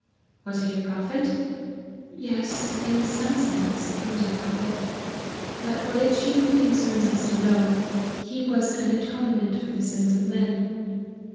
' Was he a Prophet ?'' Yes, in some sense, he was a Prophet ; but, what it chiefly concerns us to know, he was an Atonement for the sins of men.'